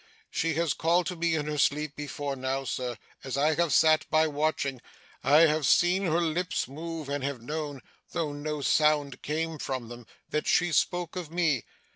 She has called to me in her sleep before now, sir; as I have sat by, watching, I have seen her lips move, and have known, though no sound came from them, that she spoke of me.